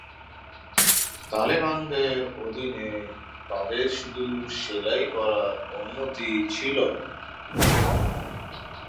তালেবানদের অধীনে তাদের শুধু সেলাই করার অনুমতি ছিল।